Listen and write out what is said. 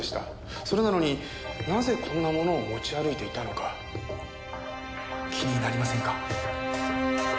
それなのになぜこんなものを持ち歩いていたのか気になりませんか？